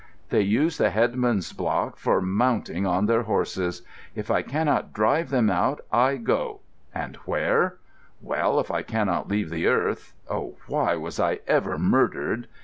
They use the headsman's block for mounting on their horses. If I cannot drive them out, I go,—and where? Well, if I cannot leave the earth—oh, why was I ever murdered?